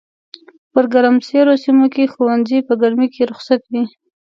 په ګرمسېرو سيمو کښي ښوونځي په ګرمۍ کي رخصت وي